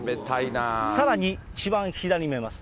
さらに一番左に見えます